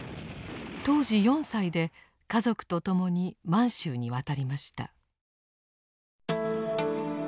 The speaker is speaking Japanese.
当時４歳で家族と共に満州に渡りました。